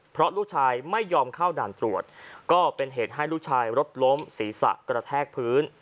เพราะลูกชายไม่ยอมเข้าด่านตรวจก็เป็นเหตุให้ลูกชายรถล้มศีรษะกระแทกพื้น